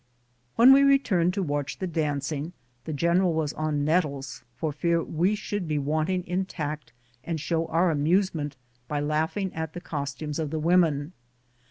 When we returned to watch the dancing, the general was on nettles for fear we should be wanting in tact, and show our amusement by laughing at the costumes of the women.